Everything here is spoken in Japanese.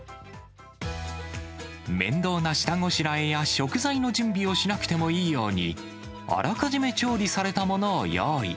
面倒な下ごしらえや食材の準備をしなくてもいいように、あらかじめ調理されたものを用意。